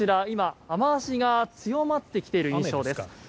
今、雨脚が強まってきている印象です。